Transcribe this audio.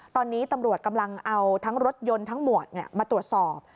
ตอนนี้ตำรวจกำลังเอาทั้งรถยนต์ทั้งหมวดมาตรวจสอบ